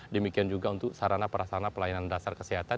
demikian juga untuk sarana perasana pelayanan dasar kesehatan